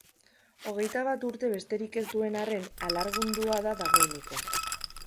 Hogeita bat urte besterik ez duen arren, alargundua da dagoeneko.